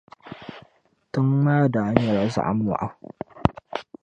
Tiŋ' maa daa nyɛla zaɣ' mɔɣu.